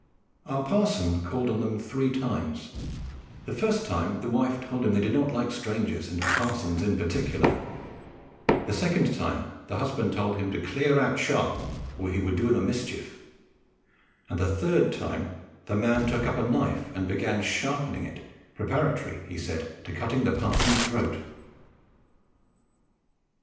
Our parson called on them three times the first time the wife told him they did not like strangers and parsons in particular; the second time the husband told him to clear out sharp, or he would do him a mischief; and the third time the man took up a knife and began sharpening it, preparatory, he said, to cutting the parson's throat!